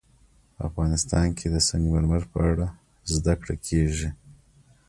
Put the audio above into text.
افغانستان کې د سنگ مرمر په اړه زده کړه کېږي.